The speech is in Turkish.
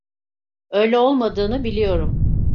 Öyle olmadığını biliyorum.